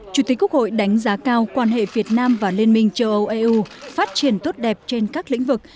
chủ tịch quốc hội đánh giá cao quan hệ việt nam và liên minh châu âu eu phát triển tốt đẹp trên các lĩnh vực